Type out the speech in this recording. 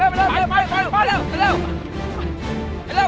ไปเร็วไปเร็ว